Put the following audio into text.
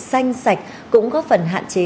xanh sạch cũng góp phần hạn chế